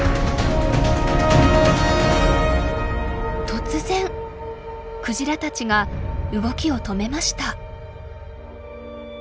突然クジラたちが動きを止めました。